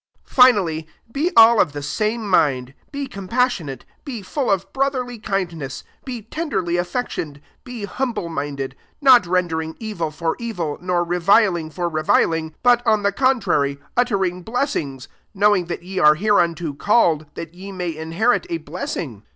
8 Finally, be all of the same mind, be compassionate, be full of brotherly kindness, be ten derly affectioned, be humble minded : 9 not rendering evil for evil, nor reviling for reviling; but, on the contrary, uttering blessings: [knowing'] that ye are hereunto called, that ye may inherit a blessing.